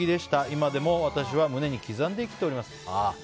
今でも私は胸に刻んで生きております。